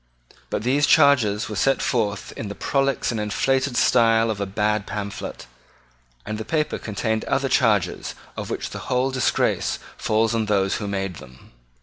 But these charges were set forth in the prolix and inflated style of a bad pamphlet; and the paper contained other charges of which the whole disgrace falls on those who made them.